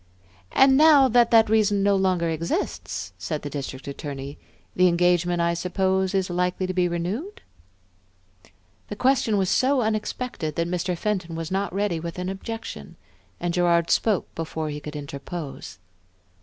"And now that that reason no longer exists," said the District Attorney, "the engagement, I suppose, is likely to be renewed?" The question was so unexpected that Mr. Fenton was not ready with an objection, and Gerard spoke before he could interpose.